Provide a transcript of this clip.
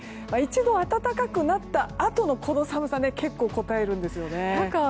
一度暖かくなったあとの寒さが結構こたえるんですよね。